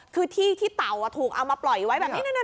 คือที่เต่าถูกเอามาปล่อยไว้แบบนี้นั่นนั่น